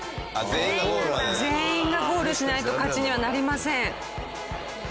全員がゴールしないと勝ちにはなりません。